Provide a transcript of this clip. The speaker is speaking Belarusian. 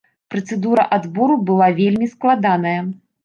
Працэдура адбору была вельмі складаная.